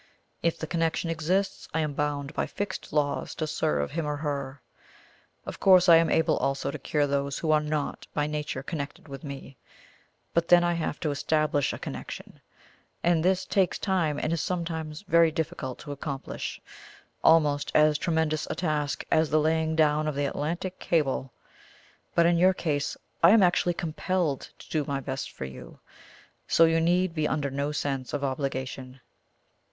If the connection exists I am bound by fixed laws to serve him or her. Of course I am able also to cure those who are NOT by nature connected with me; but then I have to ESTABLISH a connection, and this takes time, and is sometimes very difficult to accomplish, almost as tremendous a task as the laying down of the Atlantic cable. But in your case I am actually COMPELLED to do my best for you, so you need be under no sense of obligation."